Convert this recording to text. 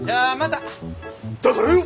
だからよ！